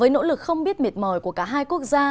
sự không biết mệt mỏi của cả hai quốc gia